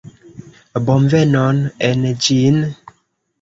Bonvenon en ĝin!